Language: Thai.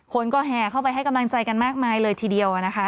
คนก็แห่เข้าไปให้กำลังใจกันมากมายเลยทีเดียวนะคะ